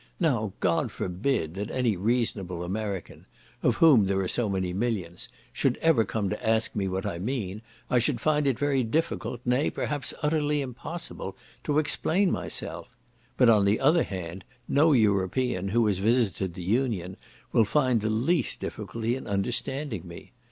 Now God forbid that any reasonable American, (of whom there are so many millions), should ever come to ask me what I mean; I should find it very difficult, nay, perhaps, utterly impossible, to explain myself; but, on the other hand, no European who has visited the Union, will find the least difficulty in understanding me.